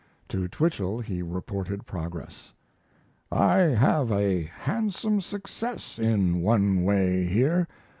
To Twichell he reported progress: I have a handsome success in one way here.